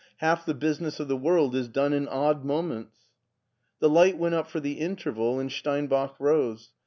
Half the business of the world is done in odd moments." The lights went up for the interval and Steinbach rose.